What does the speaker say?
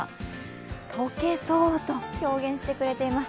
溶けそう！と表現してくれています。